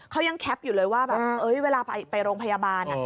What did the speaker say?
เขายังแคปอยู่เลยว่าแบบเวลาไปโรงพยาบาล